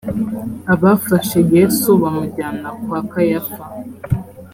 abafashe yesu bamujyana kwa kayafa